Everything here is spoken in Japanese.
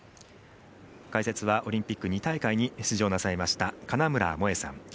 解説はオリンピック２大会に出場なさいました金村萌絵さん。